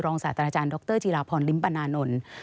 โรงศาสตรราอดหปภน